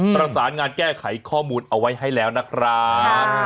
ประสานงานแก้ไขข้อมูลเอาไว้ให้แล้วนะครับ